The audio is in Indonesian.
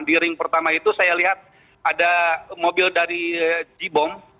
di ring pertama itu saya lihat ada mobil dari j bom